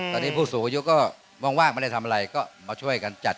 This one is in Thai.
ตอนนี้ผู้สูงประยุกต์ไม่ได้ทำอะไรมาช่วยกันจัดโต